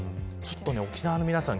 沖縄の皆さん